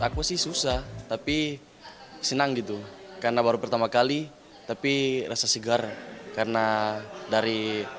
aku sih susah tapi senang gitu karena baru pertama kali tapi rasa segar karena dari